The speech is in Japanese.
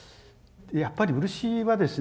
やっぱり漆はですね